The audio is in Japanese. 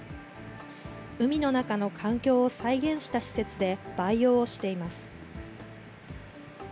海の中の環境を再現した施設で、培養をしています。